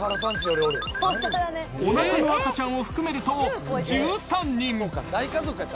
［おなかの赤ちゃんを含めると］